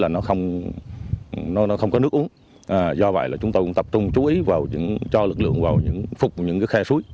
đồi núi là nó không có nước uống do vậy là chúng tôi cũng tập trung chú ý vào những cho lực lượng vào những phục những cái khe suối